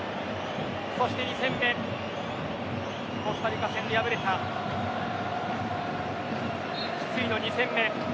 そして、コスタリカ戦で敗れた失意の２戦目。